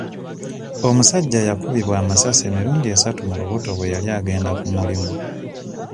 Omusajja yakubibwa amasasi emirundi esatu mu lubuto bwe yali agenda ku mulimu.